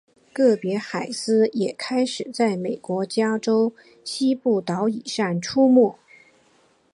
个别海狮也开始在美国加州西部岛屿上出没。